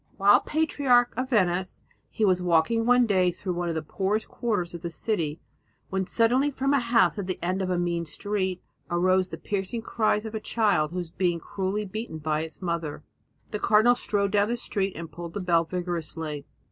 While patriarch of Venice he was walking one day through one of the poorest quarters of the city when suddenly from a house at the end of a mean street arose the piercing cries of a child who was being cruelly beaten by its mother. The cardinal strode down the street and pulled the bell vigorously.